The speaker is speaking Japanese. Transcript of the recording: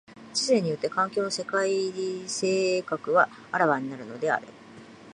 知性によって環境の世界性格は顕わになるのである。